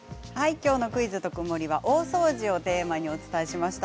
きょうの「クイズとくもり」は大掃除をテーマにお伝えしました。